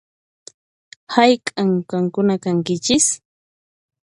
Hayk'an qankuna kankichis?